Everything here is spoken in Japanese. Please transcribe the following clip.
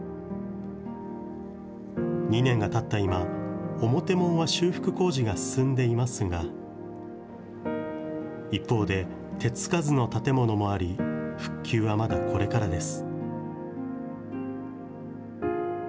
２年がたった今、表門は修復工事が進んでいますが、一方で手つかずの建物もあり、復旧はまだこれからです。